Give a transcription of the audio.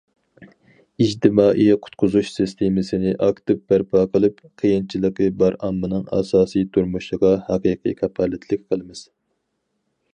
ئىجتىمائىي قۇتقۇزۇش سىستېمىسىنى ئاكتىپ بەرپا قىلىپ، قىيىنچىلىقى بار ئاممىنىڭ ئاساسىي تۇرمۇشىغا ھەقىقىي كاپالەتلىك قىلىمىز.